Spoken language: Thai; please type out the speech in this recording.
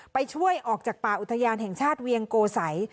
ไปช่วยออกจากป่าอุทยานแห่งชาติเวียงโกสัย